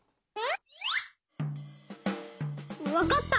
わかった！